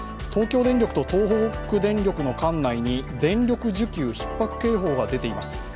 東京電力と東北電力の管内に電力需給ひっ迫警報が出ています。